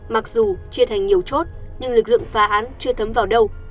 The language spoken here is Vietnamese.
mặc dù chia thành nhiều chốt nhưng lực lượng phá án chưa thấm vào đâu